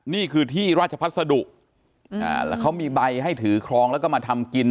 นี่คือที่ราชพัสดุแล้วเขามีใบให้ถือครองแล้วก็มาทำกิน